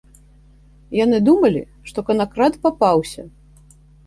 Яны думалі, што канакрад папаўся.